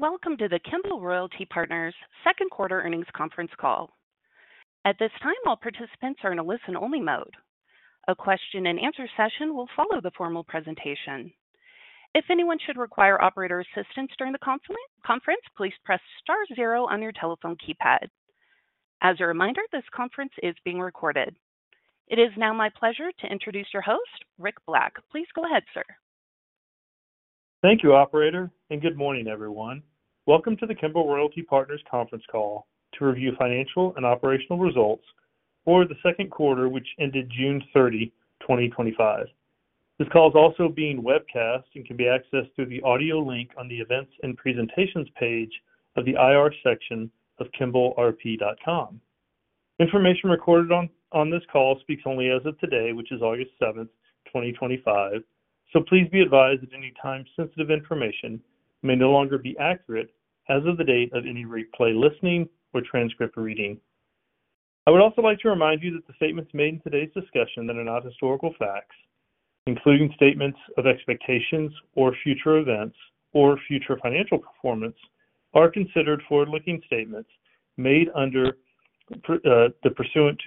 Welcome to the Kimbell Royalty Partners' Second Quarter Earnings Conference Call. At this time, all participants are in a listen-only mode. A question-and-answer session will follow the formal presentation. If anyone should require operator assistance during the conference, please press star zero on your telephone keypad. As a reminder, this conference is being recorded. It is now my pleasure to introduce your host, Rick Black. Please go ahead, sir. Thank you, operator, and good morning, everyone. Welcome to the Kimbell Royalty Partners' Conference Call to review financial and operational results for the second quarter, which ended June 30, 2025. This call is also being webcast and can be accessed through the audio link on the events and presentations page of the IR section of kimbellrp.com. Information recorded on this call speaks only as of today, which is August 7, 2025. Please be advised that any time sensitive information may no longer be accurate as of the date of any replay listening or transcript reading. I would also like to remind you that the statements made in today's discussion that are not historical facts, including statements of expectations or future events or future financial performance, are considered forward-looking statements made pursuant to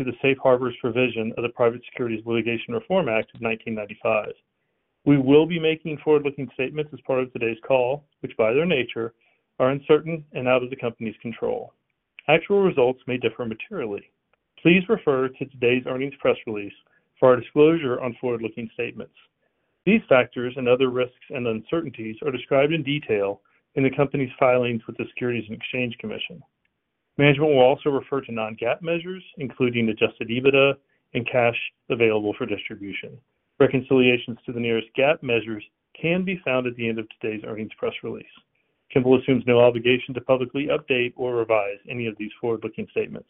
the Safe Harbor provision of the Private Securities Litigation Reform Act of 1995. We will be making forward-looking statements as part of today's call, which by their nature are uncertain and out of the company's control. Actual results may differ materially. Please refer to today's earnings press release for our disclosure on forward-looking statements. These factors and other risks and uncertainties are described in detail in the company's filings with the Securities and Exchange Commission. Management will also refer to non-GAAP measures, including adjusted EBITDA and cash available for distribution. Reconciliations to the nearest GAAP measures can be found at the end of today's earnings press release. Kimbell assumes no obligation to publicly update or revise any of these forward-looking statements.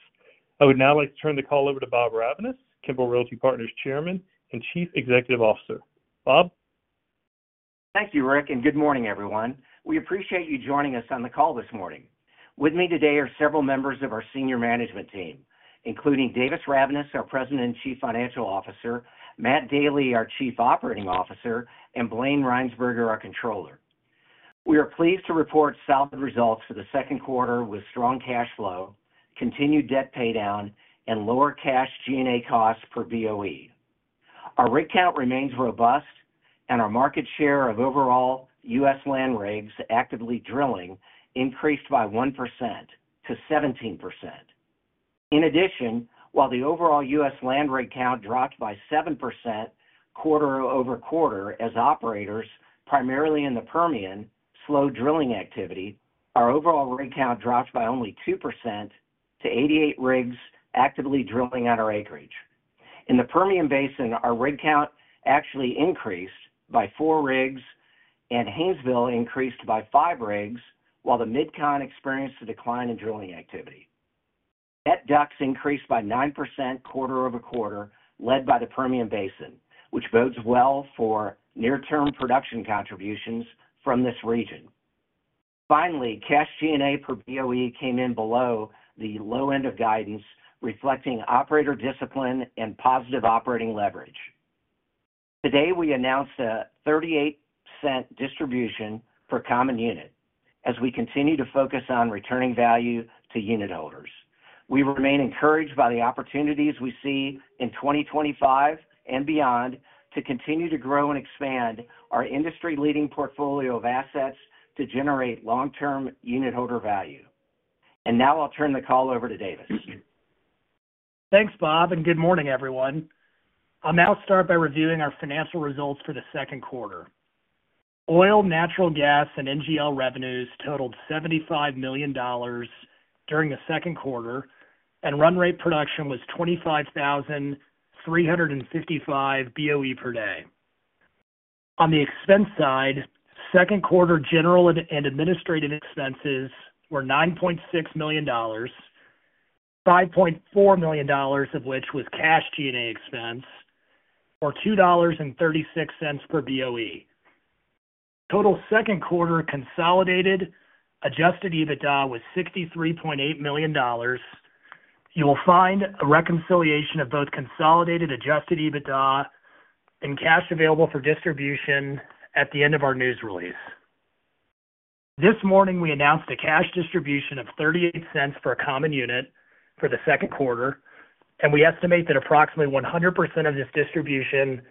I would now like to turn the call over to Bob Ravnaas, Kimbell Royalty Partners' Chairman and Chief Executive Officer. Bob? Thank you, Rick, and good morning, everyone. We appreciate you joining us on the call this morning. With me today are several members of our senior management team, including Davis Ravnaas, our President and Chief Financial Officer, Matt Daly, our Chief Operating Officer, and Blayne Rhynsburger, our Controller. We are pleased to report solid results for the second quarter with strong cash flow, continued debt paydown, and lower cash G&A costs per BOE. Our rig count remains robust, and our market share of overall U.S. land rights actively drilling increased by 1% to 17%. In addition, while the overall U.S. land rig count dropped by 7% quarter-over-quarter as operators, primarily in the Permian, slow drilling activity, our overall rig count dropped by only 2% to 88 rigs actively drilling on our acreage. In the Permian Basin, our rig count actually increased by 4 rigs and Haynesville increased by 5 rigs, while the MidCon experienced a decline in drilling activity. DUCs increased by 9% quarter-over-quarter, led by the Permian Basin, which bodes well for near-term production contributions from this region. Finally, cash G&A per BOE came in below the low end of guidance, reflecting operator discipline and positive operating leverage. Today, we announced a 38% distribution for common units as we continue to focus on returning value to unit holders. We remain encouraged by the opportunities we see in 2025 and beyond to continue to grow and expand our industry-leading portfolio of assets to generate long-term unit holder value. Now I'll turn the call over to Davis. Thanks, Bob, and good morning, everyone. I'll now start by reviewing our financial results for the second quarter. Oil, natural gas, and NGL revenues totaled $75 million during the second quarter, and run-rate production was 25,355 BOE per day. On the expense side, second quarter general and administrative expenses were $9.6 million, $5.4 million of which was cash G&A expense, or $2.36 per BOE. Total second quarter consolidated adjusted EBITDA was $63.8 million. You will find a reconciliation of both consolidated adjusted EBITDA and cash available for distribution at the end of our news release. This morning, we announced a cash distribution of $0.38 per common unit for the second quarter, and we estimate that approximately 100% of this distribution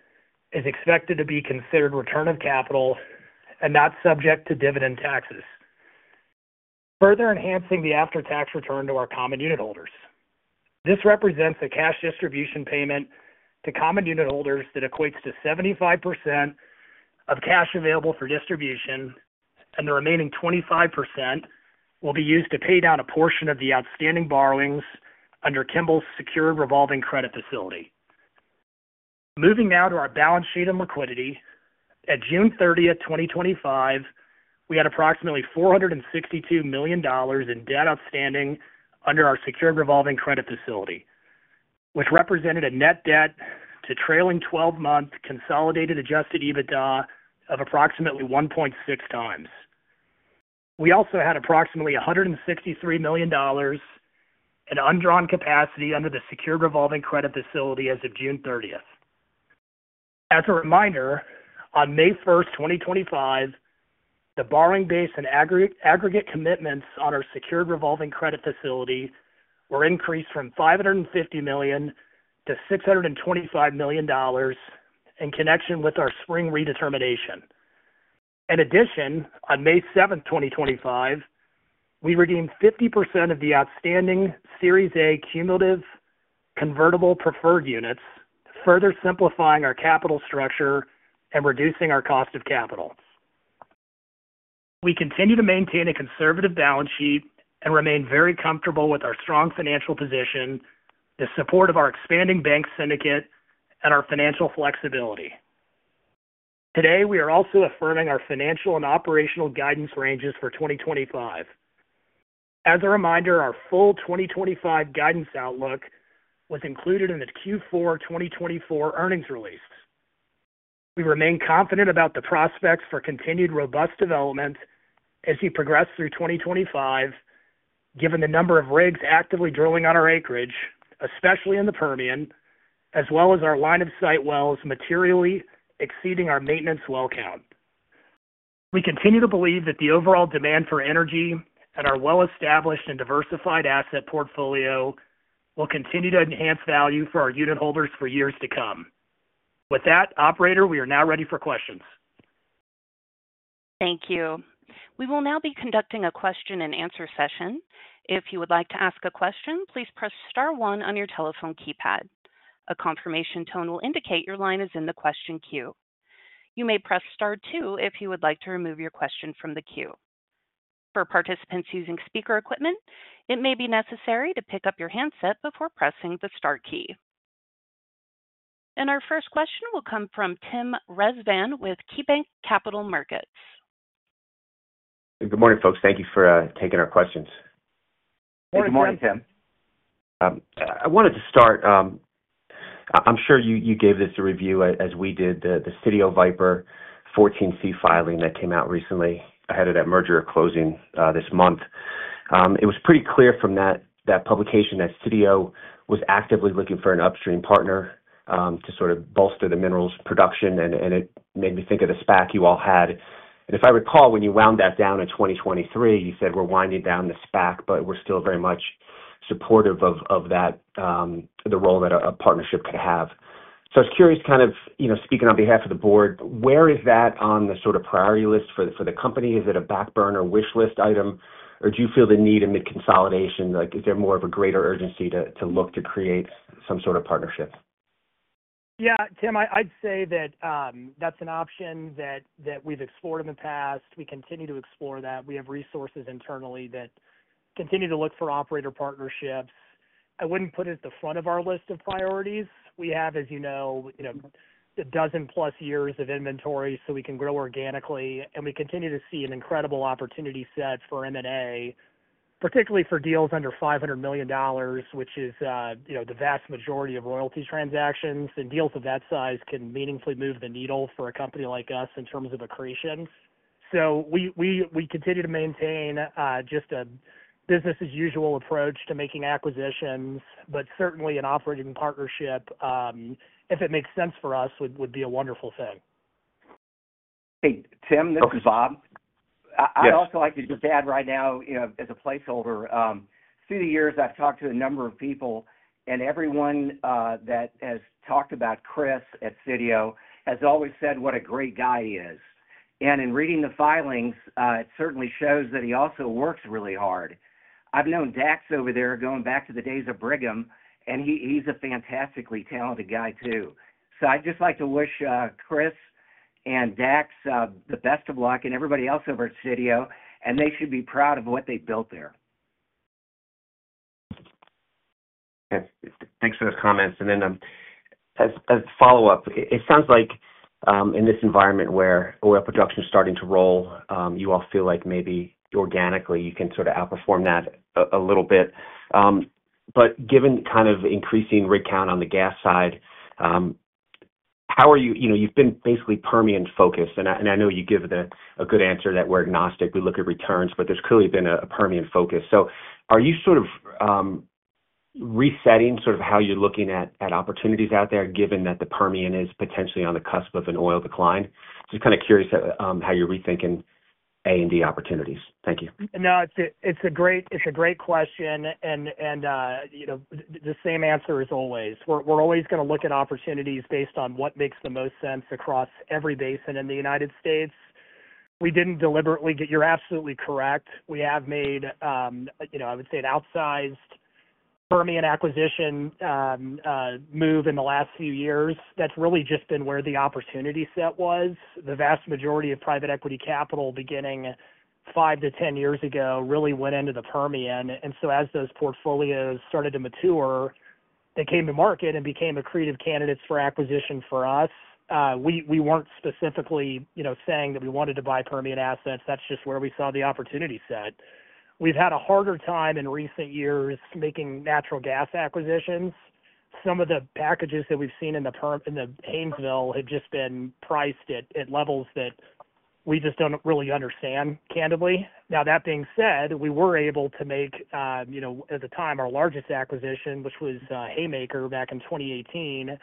is expected to be considered return of capital and not subject to dividend taxes, further enhancing the after-tax return to our common unit holders. This represents a cash distribution payment to common unit holders that equates to 75% of cash available for distribution, and the remaining 25% will be used to pay down a portion of the outstanding borrowings under Kimbell's secured revolving credit facility. Moving now to our balance sheet and liquidity, at June 30, 2025, we had approximately $462 million in debt outstanding under our secured revolving credit facility, which represented a net debt to trailing 12-month consolidated adjusted EBITDA of approximately 1.6x. We also had approximately $163 million in undrawn capacity under the secured revolving credit facility as of June 30th. As a reminder, on May 1st, 2025, the borrowing base and aggregate commitments on our secured revolving credit facility were increased from $550 million to $625 million in connection with our spring redetermination. In addition, on May 7, 2025, we redeemed 50% of the outstanding Series A cumulative convertible preferred units, further simplifying our capital structure and reducing our cost of capital. We continue to maintain a conservative balance sheet and remain very comfortable with our strong financial position, the support of our expanding bank syndicate, and our financial flexibility. Today, we are also affirming our financial and operational guidance ranges for 2025. As a reminder, our full 2025 guidance outlook was included in the Q4 2024 Earnings Release. We remain confident about the prospects for continued robust development as we progress through 2025, given the number of rigs actively drilling on our acreage, especially in the Permian, as well as our line-of-sight wells materially exceeding our maintenance well count. We continue to believe that the overall demand for energy and our well-established and diversified asset portfolio will continue to enhance value for our unit holders for years to come. With that, operator, we are now ready for questions. Thank you. We will now be conducting a question-and-answer session. If you would like to ask a question, please press star one on your telephone keypad. A confirmation tone will indicate your line is in the question queue. You may press star two if you would like to remove your question from the queue. For participants using speaker equipment, it may be necessary to pick up your handset before pressing the star key. Our first question will come from Tim Rezvan with KeyBanc Capital Markets. Good morning, folks. Thank you for taking our questions. Morning. Good morning, Tim. I wanted to start, I'm sure you gave this a review as we did the Sitio Viper 14C filing that came out recently ahead of that merger closing this month. It was pretty clear from that publication that Sitio was actively looking for an upstream partner to sort of bolster the minerals production, and it made me think of the SPAC you all had. If I recall, when you wound that down in 2023, you said, "We're winding down the SPAC, but we're still very much supportive of that, the role that a partnership could have." I was curious, kind of speaking on behalf of the Board, where is that on the sort of priority list for the company? Is it a backburner wishlist item, or do you feel the need amid consolidation? Is there more of a greater urgency to look to create some sort of partnership? Yeah, Tim, I'd say that that's an option that we've explored in the past. We continue to explore that. We have resources internally that continue to look for operator partnerships. I wouldn't put it at the front of our list of priorities. We have, as you know, a dozen-plus years of inventory so we can grow organically, and we continue to see an incredible opportunity set for M&A, particularly for deals under $500 million, which is the vast majority of royalty transactions. Deals of that size can meaningfully move the needle for a company like us in terms of accretion. We continue to maintain just a business-as-usual approach to making acquisitions, but certainly an operating partnership, if it makes sense for us, would be a wonderful thing. Hey, Tim, this is Bob. I'd also like to just add right now, as a placeholder, through the years, I've talked to a number of people, and everyone that has talked about Chris at Sitio has always said what a great guy he is. In reading the filings, it certainly shows that he also works really hard. I've known Dax over there, going back to the days of Brigham, and he's a fantastically talented guy, too. I'd just like to wish Chris and Dax the best of luck and everybody else over at Sitio, and they should be proud of what they've built there. Thanks for those comments. As a follow-up, it sounds like in this environment where production is starting to roll, you all feel like maybe organically you can sort of outperform that a little bit. Given kind of increasing rig count on the gas side, how are you? You've been basically Permian-focused, and I know you give a good answer that we're agnostic. We look at returns, but there's clearly been a Permian focus. Are you sort of resetting how you're looking at opportunities out there, given that the Permian is potentially on the cusp of an oil decline? Just kind of curious how you're rethinking A and D opportunities. Thank you. No, it's a great question, and you know, the same answer as always. We're always going to look at opportunities based on what makes the most sense across every basin in the United States. You're absolutely correct. We have made, you know, I would say an outsized Permian acquisition move in the last few years. That's really just been where the opportunity set was. The vast majority of private equity capital beginning five to ten years ago really went into the Permian. As those portfolios started to mature, they came to market and became accretive candidates for acquisition for us. We weren't specifically, you know, saying that we wanted to buy Permian assets. That's just where we saw the opportunity set. We've had a harder time in recent years making natural gas acquisitions. Some of the packages that we've seen in the Haynesville have just been priced at levels that we just don't really understand, candidly. That being said, we were able to make, you know, at the time, our largest acquisition, which was Haymaker back in 2018.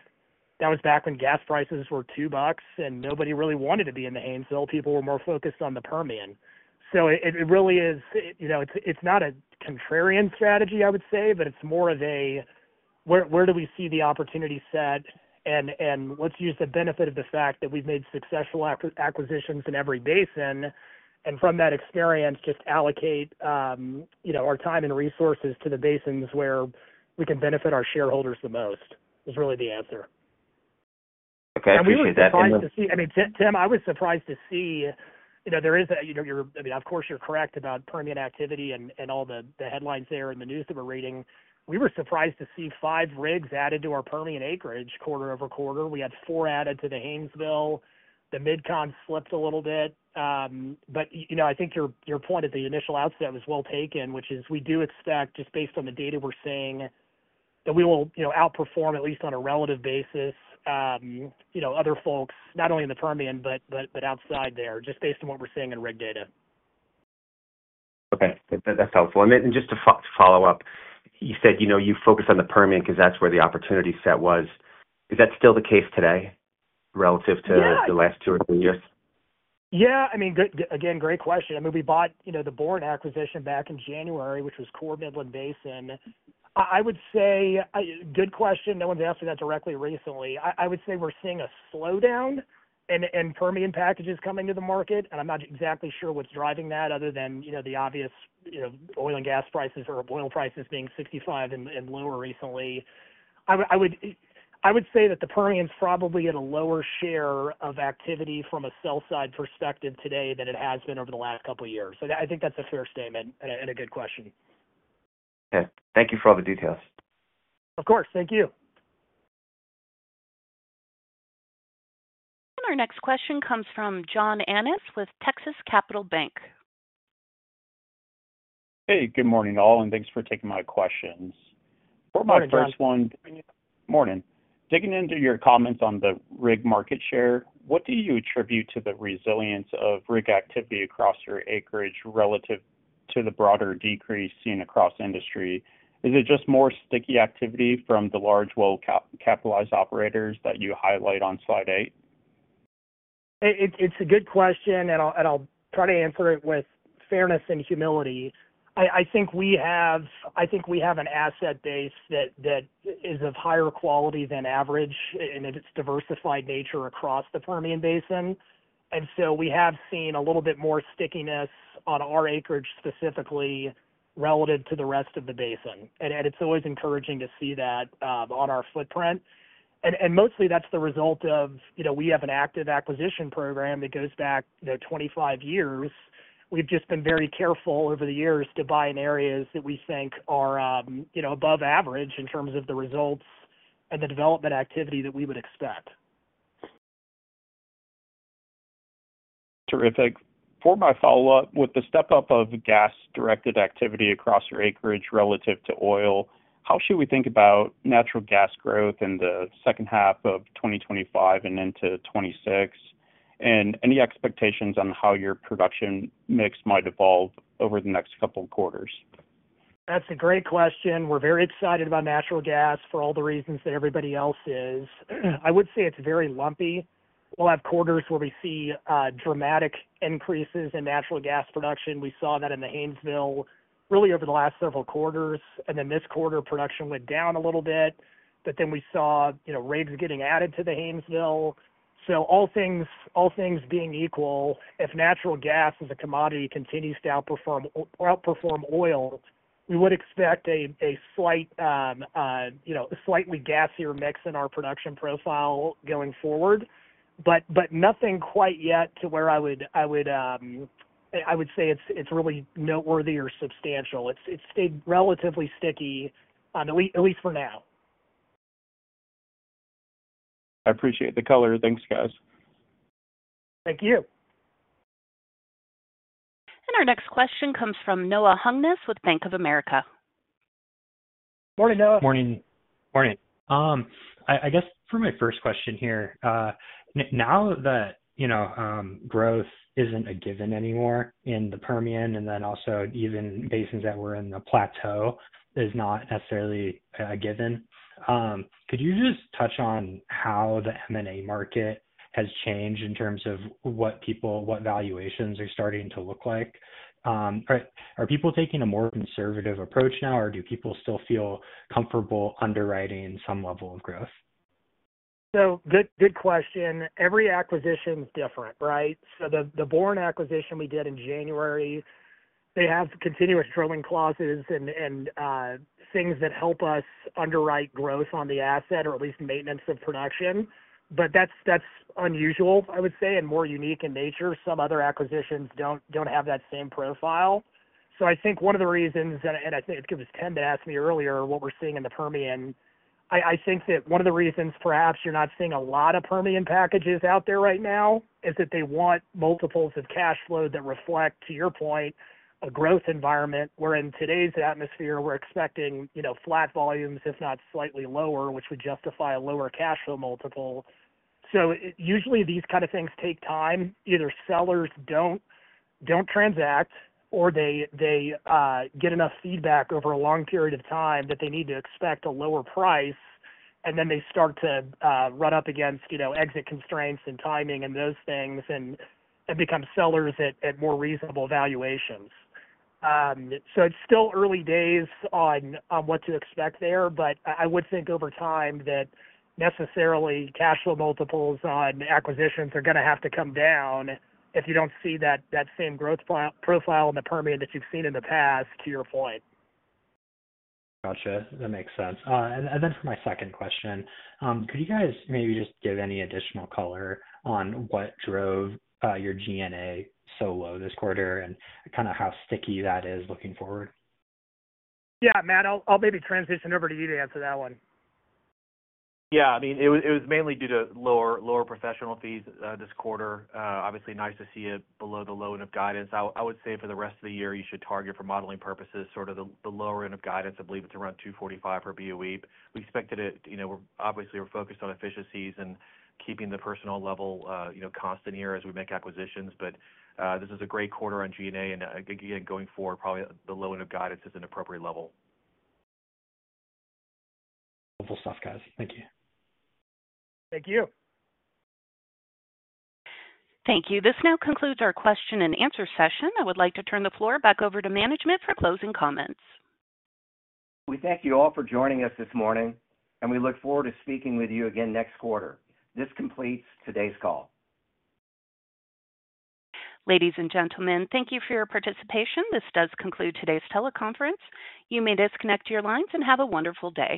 That was back when gas prices were $2, and nobody really wanted to be in the Haynesville. People were more focused on the Permian. It really is, you know, it's not a contrarian strategy, I would say, but it's more of a where do we see the opportunity set, and let's use the benefit of the fact that we've made successful acquisitions in every basin, and from that experience, just allocate, you know, our time and resources to the basins where we can benefit our shareholders the most is really the answer. Okay. I was surprised to see, I mean, Tim, I was surprised to see, you know, there is a, you know, you're, I mean, of course, you're correct about Permian activity and all the headlines there and the news that we're reading. We were surprised to see five rigs added to our Permian acreage quarter-over-quarter. We had four added to the Haynesville. The MidCon slipped a little bit. I think your point at the initial outset was well taken, which is we do expect, just based on the data we're seeing, that we will outperform at least on a relative basis, you know, other folks, not only in the Permian, but outside there, just based on what we're seeing in rig data. Okay. That's helpful. Just to follow up, you said, you know, you focus on the Permian because that's where the opportunity set was. Is that still the case today relative to the last two or three years? Yeah, I mean, again, great question. We bought the Boren acquisition back in January, which was core Midland Basin. I would say, good question, no one's asked me that directly recently. I would say we're seeing a slowdown in Permian packages coming to the market, and I'm not exactly sure what's driving that other than the obvious, oil and gas prices or oil prices being $65 and lower recently. I would say that the Permian's probably in a lower share of activity from a sell-side perspective today than it has been over the last couple of years. I think that's a fair statement and a good question. Okay, thank you for all the details. Of course, thank you. Our next question comes from John Annis with Texas Capital Bank. Hey, good morning all, and thanks for taking my questions. For my first one, digging into your comments on the rig market share, what do you attribute to the resilience of rig activity across your acreage relative to the broader decrease seen across industry? Is it just more sticky activity from the large well-capitalized operators that you highlight on slide eight? It's a good question, and I'll try to answer it with fairness and humility. I think we have an asset base that is of higher quality than average in its diversified nature across the Permian Basin. We have seen a little bit more stickiness on our acreage specifically relative to the rest of the basin. It's always encouraging to see that on our footprint. Mostly, that's the result of, you know, we have an active acquisition program that goes back 25 years. We've just been very careful over the years to buy in areas that we think are above average in terms of the results and the development activity that we would expect. Terrific. For my follow-up, with the step-up of gas-directed activity across your acreage relative to oil, how should we think about natural gas growth in the second half of 2025 and into 2026? Any expectations on how your production mix might evolve over the next couple of quarters? That's a great question. We're very excited about natural gas for all the reasons that everybody else is. I would say it's very lumpy. We'll have quarters where we see dramatic increases in natural gas production. We saw that in the Haynesville really over the last several quarters. This quarter, production went down a little bit, but then we saw rigs getting added to the Haynesville. All things being equal, if natural gas as a commodity continues to outperform oil, we would expect a slightly gassier mix in our production profile going forward. Nothing quite yet to where I would say it's really noteworthy or substantial. It's stayed relatively sticky, at least for now. I appreciate the color. Thanks, guys. Thank you. Our next question comes from Noah Hungness with Bank of America. Morning, Noah. Morning. I guess for my first question here, now that, you know, growth isn't a given anymore in the Permian and then also even basins that were in the plateau is not necessarily a given. Could you just touch on how the M&A market has changed in terms of what people, what valuations are starting to look like? Are people taking a more conservative approach now, or do people still feel comfortable underwriting some level of growth? Good question. Every acquisition is different, right? The Boren acquisition we did in January, they have continuous drilling clauses and things that help us underwrite growth on the asset or at least maintenance of production. That's unusual, I would say, and more unique in nature. Some other acquisitions don't have that same profile. I think one of the reasons that, and I think it was Tim that asked me earlier what we're seeing in the Permian, one of the reasons perhaps you're not seeing a lot of Permian packages out there right now is that they want multiples of cash flow that reflect, to your point, a growth environment where in today's atmosphere, we're expecting flat volumes, if not slightly lower, which would justify a lower cash flow multiple. Usually, these kind of things take time. Either sellers don't transact, or they get enough feedback over a long period of time that they need to expect a lower price, and then they start to run up against exit constraints and timing and those things and become sellers at more reasonable valuations. It's still early days on what to expect there, but I would think over time that necessarily cash flow multiples on acquisitions are going to have to come down if you don't see that same growth profile in the Permian that you've seen in the past, to your point. Gotcha. That makes sense. For my second question, could you guys maybe just give any additional color on what drove your G&A expense so low this quarter and kind of how sticky that is looking forward? Yeah, Matt, I'll maybe transition over to you to answer that one. Yeah, I mean, it was mainly due to lower professional fees this quarter. Obviously, nice to see it below the low end of guidance. I would say for the rest of the year, you should target for modeling purposes sort of the lower end of guidance. I believe it's around $2.45 per BOE. We expected it, you know, obviously, we're focused on efficiencies and keeping the personnel level, you know, constant here as we make acquisitions, but this is a great quarter on G&A, and again, going forward, probably the low end of guidance is an appropriate level. Wonderful stuff, guys. Thank you. Thank you. Thank you. This now concludes our question-and-answer session. I would like to turn the floor back over to management for closing comments. We thank you all for joining us this morning, and we look forward to speaking with you again next quarter. This completes today's call. Ladies and gentlemen, thank you for your participation. This does conclude today's teleconference. You may disconnect your lines and have a wonderful day.